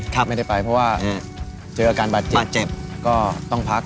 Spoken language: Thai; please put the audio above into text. เพราะว่าเจอกับอาการบาดเจ็บก็ต้องพัก